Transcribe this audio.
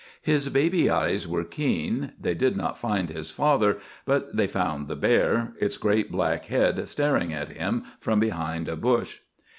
His baby eyes were keen. They did not find his father, but they found the bear, its great black head staring at him from behind a bush.